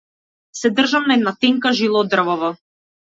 Се држам на една тенка жила од дрвово.